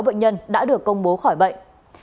một mươi sáu bệnh nhân đã được công bố khỏi bệnh